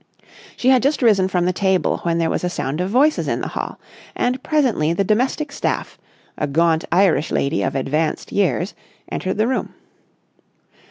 She had just risen from the table, when there was a sound of voices in the hall, and presently the domestic staff, a gaunt Irish lady of advanced years, entered the room.